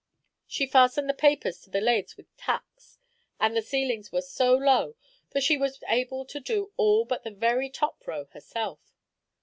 She fastened the papers to the laths with tacks, and the ceilings were so low that she was able to do all but the very top row herself.